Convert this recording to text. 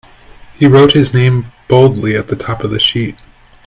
He wrote his name boldly at the top of the sheet.